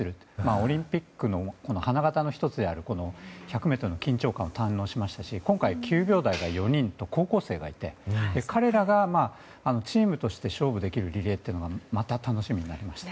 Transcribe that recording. オリンピックの花形の１つである１００ｍの緊張感を堪能しましたし今回、９秒台が４人と高校生がいて彼らがチームとして勝負できるリレーがまた楽しみになりました。